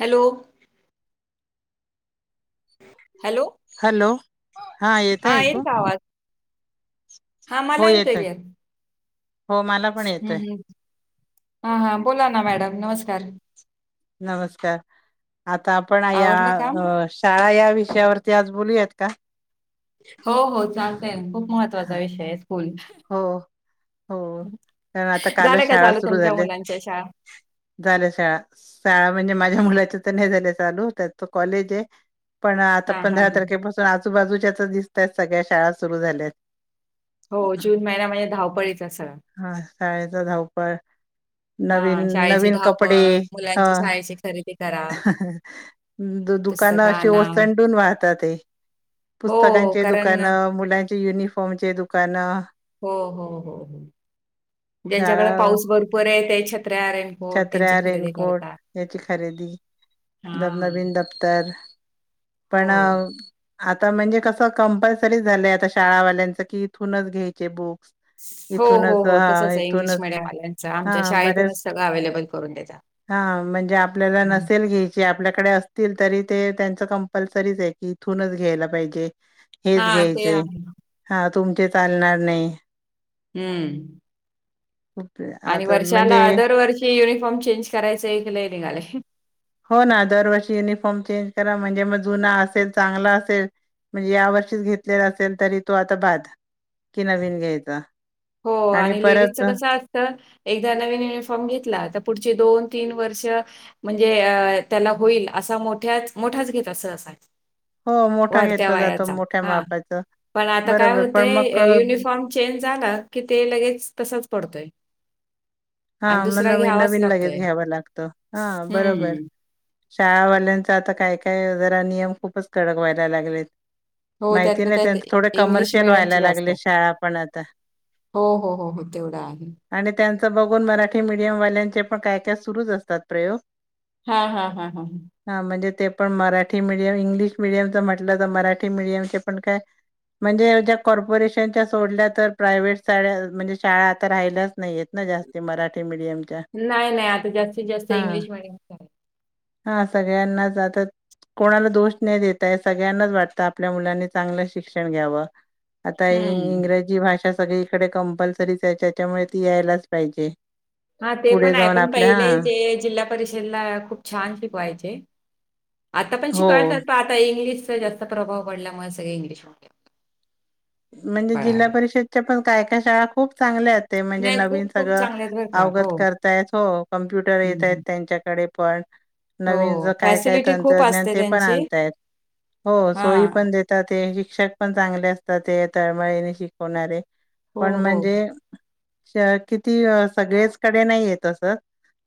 Hello hello. Hello हा येत आहेऐक येतोय का आवाज? हा मला येत ग हो मला पण येतय हा हा बोला ना मॅडम नमस्कार नमस्कार आता आपण या आवरलं काम? अ शाळा या विषयावरती आज बोलूयात का? हो हो चालतंय खूप महत्त्वाचा विषय हे. हो हो कारण आता कालच झालं का शाळा चालू सुरू तुमच्या झाल्यात. मुलांच्या शाळा? झाल्या शाळा शाळा म्हणजे माझ्या मुलाच्या तर नाही झाल्यात. चालू होतंय आता कॉलेज हे पण आता हां, हां. पंधरा तारखेपसून आजूबाजूच्याच दिसतायेत सगळ्या शाळा सुरू झाल्यात. हो जून महिना म्हणजे धावपळीचा सगळा. हा शाळेचा धावपळ नवीन हां, शाळेची नवीन धावपळ, कपडे ह मुलांची शाळेची खरेदी करा, दुकान पुस्तकं अशी आणा. ओसंडून वहातात हे हो पुस्तकाचे कारण दुकानं मुला युनिफॉर्म चे दुकानं हो हो हो ज्यांच्याकडे झाडा पाऊस भरपूर आहे ते छत्र्या रेनकोट त्यांची छत्र्या खरेदी करतात. दब हां, नवीन दफ्तर पण हो. आता म्हणजे कसं कंपल्सरी झालंय आता शाळावाल्यांचं की इथूनच घ्यायचे बुक हो हो हो तसचं हे इंग्लिश इथूनच मिडियमवाल्यांचं हा आमच्या बरेच शाळेतूनच सगळं अवेलेबल करून देता. हा म्हणजे आपल्याला नसेल घ्यायची आपल्याकडे अस तील तरी ते त्यांच कंपल्सरीच आहे की इथूनच घ्यायला पाहिजे. हेच हां, ते घ्यायचेंय आहे. हा तुमचे चालणार नाही. हम्म आणि आता वर्षाला म्हणजे दर वर्षी युनिफॉर्म चेंज करायचं एक लय निघालयं. हो ना दरवर्षी युनिफॉर्म चेंज करा, म्हणजे मग जुना असेल चांगला असेल. म्हणजे या वर्षीच घेतलेला असेल, तरी तो आता बाद कि नवीन घ्यायचा. हो आणि लेडीजचं कसं असतं. एकदा नवीन युनिफॉर्म घेतला की पुढची दोन-तीन वर्ष म्हणजे अं त्याला होईल असा मोठ्याच मोठाच घेत अस असा. हो मोठा घेतला जातो मोठ्या मापाचं. पण आता काय होतय युनिफॉर्म चेंज झाला. कि ते लगेच तसाच पडतोय. हा आणि मग दुसरा नवीन घ्यावाच नवीन लगेच लागतोय. घ्याव लागतं हा बरोबर हं. शाळावाल्यांच आता काय काय जरा नियम खूपच कडक व्हायला लागलेत. हो, माहिती त्यातल्या नाही त्यात त्यांच थोडं इंग्लिश कमर्शियल मीडियमची व्हायला जास्त. लागलयं, शाळा पण आता. हो हो हो हो तेवढा आहे. आणि त्यांचं बघून मराठी मीडियम वाल्यांचे पण काय काय सुरूच असतात प्रयोग. हा हा हा हा. हा म्हणजे ते पण मराठी मिडियम इंग्लिश मिडियमच म्हटलं तर मराठी मिडियमशी पण काय. म्हणजे ज्या कॉर्पोरेशनच्या सोडल्या तर प्रायव्हेट शाळा म्हणजे शाळा आता राहिल्याच नाहीयेत ना जास्त. ते मराठी मीडियम. नाही नाही आता जास्तीत जास्त इंग्लिश मीडियमच आहे. हा सगळ्यांनाच आता कोणाला दोष नाही देता या सगळ्यांनाच वाटतं आपल्या मुलांनी चांगलं शिक्षण घ्यावं. आता हं. इंग्रजी भाषा सगळी इकडे कंपल्सरीच आहे त्याच्यामुळे ती यायलाच पाहिजे. हा ते पुढे पण आहे जाऊन पण आपल्या पहिले हा जे जिल्हा परिषदला खूप छान शिकवायचे. आता पण हो शिकवतात प आता इंग्लिशचा जास्त प्रभाव पडल्यामुळे सगळे इंग्लिश म्हणजे जिल्हा कळालं. परिषदच्या पण काय काय शाळा खूप चांगल्या आहेत. ते म्हणजे नाही, नवीन खूप खूप सगळं चांगले आहेत बरं का. हो, अवगत करतायत हो कमप्युटर हं, येतायेत हं. त्यांच्याकडे. पण हो, नवीन ज काय काय फॅसिलिटी खूप तंत्रज्ञान असते ते पण त्यांची. आणतायेत. हो सोयी हां. पण देतात हे शिक्षक पण चांगले असतात ते तळमळीने शिकवणारे हो, पण हो. म्हणजे अ किती सगळीच कडे नाही येतस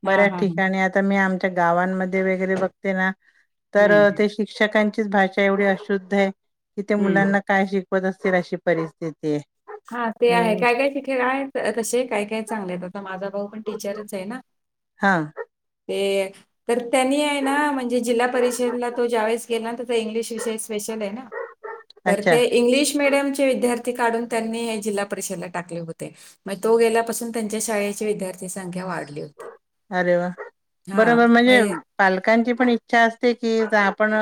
हां, बऱ्याच हां, हां. ठिकाणी आता मी आम गावमध्ये वगैरे बघते ना तर हं, ते शिक्षक. अच भाषा एवढी अशुद्ध आहे, की ते हं. मुलांना काय शिकवत असतील अशी परिस्थिती आहे. हा ते आहे हम्म काय काय ते काय तसे काय काय चांगले आता माझा भाऊ पण टीचरच आहे ना. हा. ते तर. त्यांनी आहे ना म्हणजे जिल्हा परिषदला तो ज्यावेळेस गेला ना तर इंग्लिश विषय स्पेशल आहे ना. तर अच्छा ते इंग्लिश मिीडियम विद्यार्थी. काढून त्यांनी जिल्हा परिषदला टाकले होते मग तो गेल्यापासून त्यांच्या शाळेची विद्यार्थी संख्या वाढली होती. अरे वा बरोबर म्हणजे पालक. ची पण इचछा असते, की आपण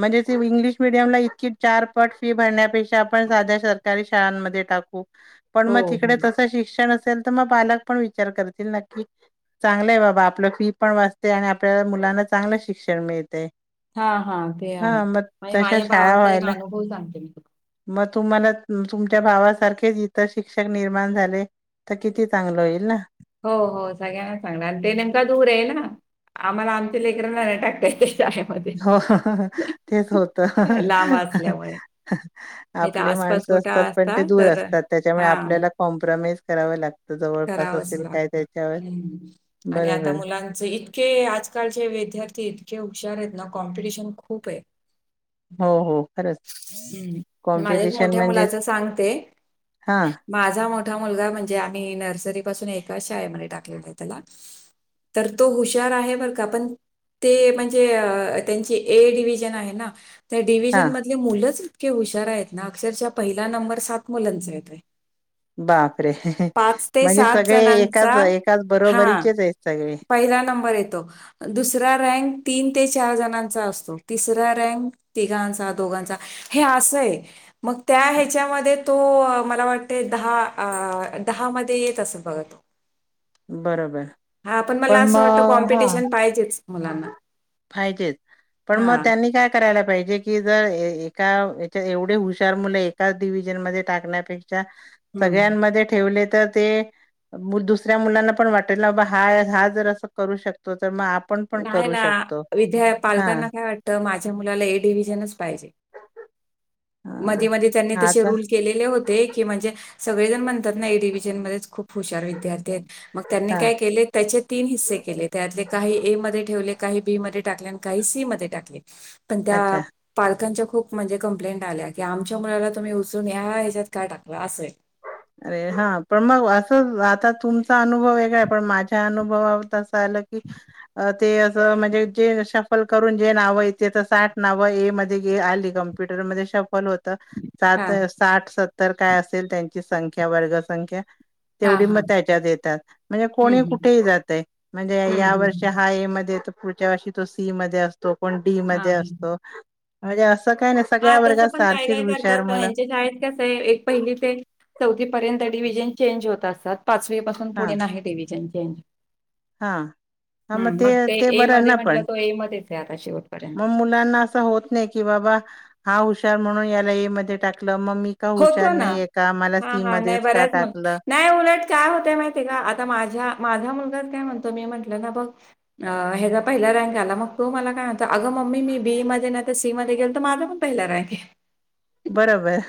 म्हणजे इंग्लिश मिडयमला इतकी चारपट. भरण्यापेक्षा आपण साध्या सरकारी शाळांमध्ये टाकू. पण हो, मग हो. तिकडे तस शिक्षण असेल तर मग पालक पण विचार करतील नक्की. चांगलंय बाबा आपलं फी पण वाचते आणि आपल्याला मुलांना चांगलं शिक्षण मिळत. हा हा ते आहे म्हणजे तशा माझ्या शाळा भावाचा एक व्हायला अनुभव सांगते मी तु मग तुम्हाला तुमच्या भावासारखेच इतर शिक्षक निर्माण झाले. तर किती चांगलं होईल ना. हो हो सगळ्यांना सांगणार आणि ते नेमका दूर येईल ना. आम्हाला आमचे लेकर नाही नाही टाकत्याती. हो हो तेच होत लांब असल्यामुळे नाही तर आपले. आसपास माणसं कुठं असतात, पण ते असता दूर तर असतात. त्याच्यामुळे हा आपल्याला कॉम्प्रमाइज करावं लागत. करावंच लागत आणि आता बरोबर. मुलांचे इतके आजकालचे वे विद्यार्थी इतके हुशार आहेत ना कॉम्पिटिशन खूप आहे? हो हो खरंच. हम्म माझ्याच कॉम्पिटिशन मोठ्या म्हणजे मुलाच सांगते? हां, माझा मोठा मुलगा म्हणजे? आम्ही नर्सरी पासून एका शाळेमध्ये टाकलेलं आहे त्याला? तर तो हुशार आहे बरं का पण? ते म्हणजे त्यांची ए डिव्हजन आहे ना? त्या डिव्हिजन हां. मधले मुलंच इतके हुशार आहेत ना अक्षरच्या पहिला नंबर सात मुलांचा येतोय. बा आरे पाच ते म्हणजे सात सगळे जणांचा एकाच एकाच हा बरोबरीचेच आहेत सगळे? पहिला नंबर येतो दुसरा रँक तीन? ते चार जणांचा असतो तिसरा रँक तिघांचा दोघांचा हे असय मग? त्या ह्याच्यामध्ये तो मला वाटते दहा? दहा मध्ये येत असं बघा तो? बरोबर. हा पण मला असं वाटत मग हां, कॉम्पिटिशन पाहिजेच? मुलांना पाहिजेच पण मग हा त्यांनी काय? कळायला पाहिजे की जर एका एवढे हुशार मुलं एकाच डिव्हिजन मध्ये टाकण्यापेक्षा. हम्म सगळ्यांमध्ये ठेवले? तर ते दुसऱ्या मुलांना पण वाटल हा हा जर अस करू शकतो तर म. नाही ना विद्या पालकांना काय वाटतं माझ्या मुलाला ए डिव्हजनच पाहिजे. हा मध्ये मध्ये त्यांनी हा तसे आता रूल केलेले होते की म्हणजे. सगळे जण म्हणतात ना ए डिव्हिजन मध्येच खूप हुशार विद्यार्थी आहेत मग त्यांनी हा काय केले त्याचे तीन हिस्से केले त्यातले काही ए मध्ये ठेवले काही बी मध्ये टाकले आणि काही सी मध्ये टाकले. पण त्या अच्छा पालकांच्या खूप म्हणजे कंप्लेंट आल्या की आमच्या मुलाला तुम्ही उचलून या ह्याच्यात का टाकला असंय. अरे हा पण मग असं आता तुमचा अनुभव वेगळा पण माझ्या अनुभवावरून तर चालेल. म्हणजे ते अस म्हणजे जे श्यामल करून जे नाव येतात साठ नाव. आली कम्प्युटर मध्ये श्याम्पल होती सात हां, साठ सत्तर काय असेल त्यांची संख्या वर्गसंख्या? हां, तेवढी मग हां. त्याच्यात येतात म्हणजे हं, कोणी हं. कुठेही जाते म्हणजे हं, या हं, वर्षी हं. हा एमध्ये येतो. पुढच्या वर्षी तो सी मध्ये असतो कोण डी मध्ये असतो म्हणजे कोण ए मध्ये असतो. हा तसं पण काय काय करतात मुलं ह्यांच्या शाळेत कसं आहे एक पहिली ते चौथी पर्यंत डिव्हिजन चेंज होत असतात पाचवी पासून हा पुढे नाही डिविजन चेंज होत. हा हा मग ते ते ए बरं मध्ये ना म्हटलं पण तो ए मध्येच आहे आता शेवटपर्यंत. मग मुलांना असं होत नाही की बाबा? हा हुशार म्हणून याला ए मध्ये टाकला? का हुशार नाही आहे का? हा सी हा नाही मध्येच का बऱ्याच मग टाकलं नाही उलट काय होतय माहिती आहे का आता माझ्या माझ्या मुलगा. मी काय म्हणतो मी म्हणलणा मग हेजा पहिला राऊंड आला मग तो मला काय म्हणाला अग ममे मी बीइ मधून. बी नाही सी मध्ये गेल तर माझं पण पहिला रँक आहे. बरोबर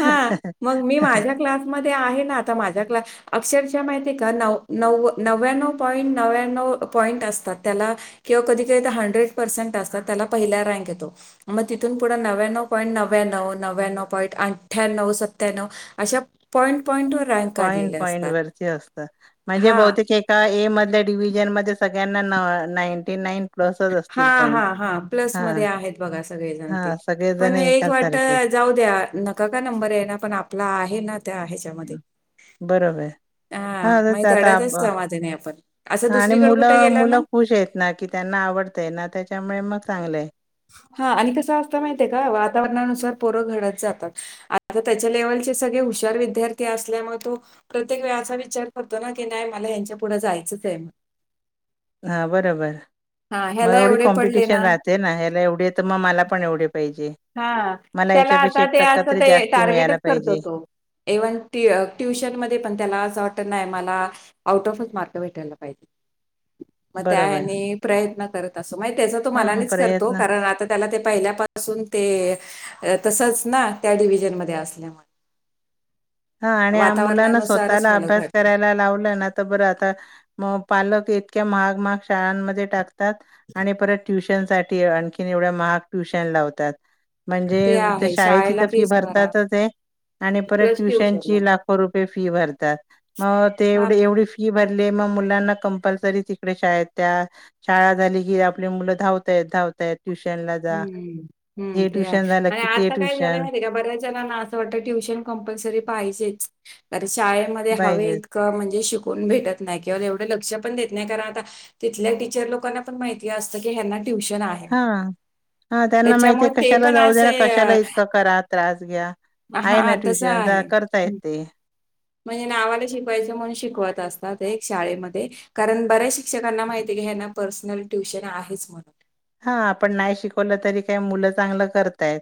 हा मग मी माझ्या क्लासमध्ये आहे ना आता माझ्या क्लास? अक्षरशः माहिती आहे का न नव नव्याण्णव पॉईंट नव्याण्णव पॉईंट असतात त्याला? किंवा कधी कध हंड्रेड पर्सेंट असतात त्याला पहिला रँके येतो मग तिूथून पुढ नव्याण्णव पॉईंट नव्याण्णव. नव्याण्णव पॉइंट आठ्यांन्नव सत्यांनव अश्या पॉइंट पॉईंट वर रँक पॉईंट काढलेले पॉईंट असतात? वरती असतं. म्हणजे हां, बहूतेक एका ए मध्ये डिव्हजन मध्ये सगळ्यांना नायटी- नाइन हा हा हा प्लस मध्ये आहेत बघा सगळे जण ते. हा सगळेजण पण एक वाट एकासारखेच जाऊ द्या नका का नंबर आहे ना पण आपला आहे ना. त्या हेच्यामध्ये बरोबर त्या? हा आता आपण. असं आणि दुसरीकडे कुठे मुलं गेला ना मुलं खुश आहेत ना की त्यांना आवड ना त्याच्यामुळे मग चांगलं हा आणि कस असता माहिय का वातावरणानुसार पोर घडत जातात आता त्याच्या लेवल हु विद्यार्थी असल्याग तो प्रत्येक वे असा विचार करतो नाी नाही मलाच्या पुढ जायच नचम हा बरोबर मग एवढी एवढे पडले ना कॉम्पिटिशन राहते ना ह्याला एवढी तर मग मला पण एवढी हा त्याला आता ते टक्का असं तरी ते जास्ती टार्गेटच मिळायला करतो पाहिजे तो इव्हन ट्युशनमध्येध्ये पण त्याला असं वाट नाही मला आउट ऑफ मार्क भेटायला पाहिजे मग त्या बरोबर प्रयत्न करत त्याचा तो हा मग मनानेच करतो प्रयत्न कारण आता त्याला ते पहिल्यापासून तसच ना त्या डिव्हजन म असल्यामुळे हा आणि मुलांना वातावरणानुसारच स्वतःला मुलं अभ्यास घडतात करायला लावलाय ना आ तर बरं आता म पालक इतक्या महाग महाग शाळांमध्ये टाकतात आणि परत ट्युशनसाठी आणखी एवढ्या महाग ग ट्युशन लावतात म्हणजे ते आहे शाळेची शाळेला तर फी फीस भरा भरतातच ते आणि परत प्लस ट्युशनला ट्युशनची लाखो रुपये फी भरतात मग हा तेवढ एवढी फी भर म मुलांना कंपलसरी तिकडे शाळेत त्या शाळा झाली की आप मुलंधताय धावतय ह ते ट्युशन झालं आणि की ते आता काय झालंय ट्युशन माहिय आहे का बऱ्याच जणांना असं वाटत ट्युशन कंपल्सरी शाळेमध्ये पाहिजेच हवं म्हणजे श कोण भेटत नाही किंवा एवढे लक्ष पण देत नाही कारण आता तिथल्या टीचर लोकांना पण माहिती असतं की हना ट्युशन आहे हा हा त्यांना माहितीय त्याच्यामुळे ते कशाला पण जाऊ दे ना असे कशाला अ इतकं करा त्रास घ्या आहे ना हा तसं ट्युशन जा आहे. करता येत हं. ते म्हणजे नावाला शिकवायचं म्हणून शिकवत असतात एक शाळेमध्ये कारण बऱ्याच शिक्षकांना माहिती घ्या पर्सनल ट्युशन आहे म्हणून हा आपण नाही शिकवलं तरी काही मुलं चांगलं करतायत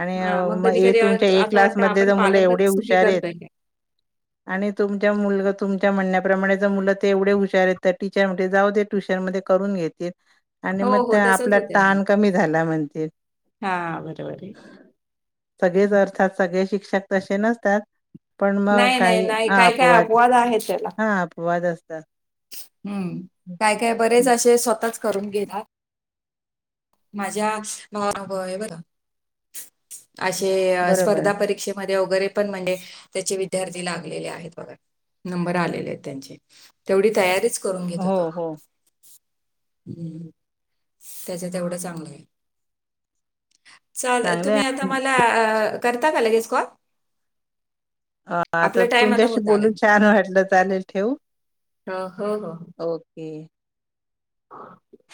आणि हा मग कधी कधी तुमच्या ए असं क्लास वाटतं मधले आपण तर मुलं एवढे पालकच चुकी हुशार आहेत करतोय काय? आणि तुमच्या मुलग तुमच्या म्हणण्याप्रमाणे ज मुलं ते एवढे हुशार आहेत तर टीचर म्हणते, जाऊ ते ट्युशन मध्ये करून घेतील आणि हो मग हो. त्या तसंच आपला होतंय मॅडम. ताण कमी झाला म्हणतील हा बरोबर आहे. सगळेच अर्थात सगळे शिक्षक तसे नसतात. पण मग नाही नाही काही नाही काय काय अपवाद आहेत त्याला. हा अपवाद असतो. हम्म काय काय बरेच असे स्वतःच करून घेता माझ्या मावा आहे बर [unintelligible] असे बरोबर स्पर्धा परीक्षेमध्ये वगैरे पण म्हणजे त्याचे विद्यार्थी लागलेले आहेत बघा नंबर आलेले आहेत त्यांचे, तेवढी तयारीच करून हो घेतात हो त्याच्या तेवढ चांगल चांगले तुम्ही आता आहे. मला करता का लगेच कॉल? अ आता आपला टाइम तुमच्याशी होत आलाय. बोलून छान वाटलं चालेल ठेवू हो, ओके. हा.